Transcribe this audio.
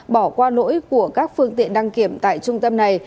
bỏ qua lỗi của các phương tiện đăng kiểm tại trung tâm này